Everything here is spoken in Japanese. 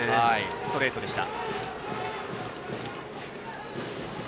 ストレートでした。